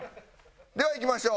ではいきましょう。